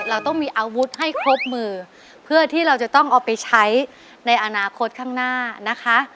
เราต้องมีอาวุธให้ครบมือเพื่อที่เราจะต้องเอาไปใช้ในอนาคตข้างหน้านะคะ